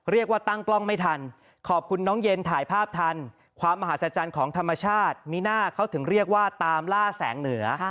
เรียกว่าตั้งกล้องไม่ทันขอบคุณน้องเย็นถ่ายภาพทันความมหาศจรรย์ของธรรมชาติมิน่าเขาถึงเรียกว่าตามล่าแสงเหนือ